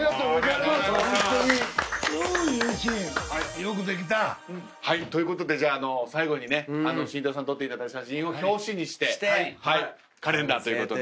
よくできた。ということでじゃあ最後にね慎太郎さんに撮っていただいた写真を表紙にしてカレンダーということで。